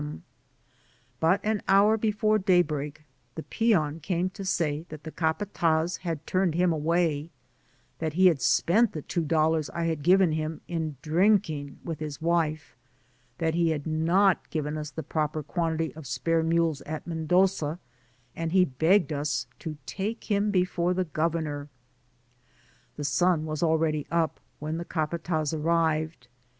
181 him ; but an hour before day break the peon came to say that the capatdz had turned him away; that he had spent the two dollars I had given him in drinking with his wife ; that he had not given us the proper quantity of spare mules at Mendoza, and he begged us to take him before the governor. The sun was already up, when the capatdz arrived.